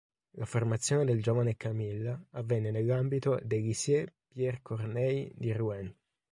La formazione del giovane Camille avvenne nell'ambito del Lycée Pierre-Corneille di Rouen.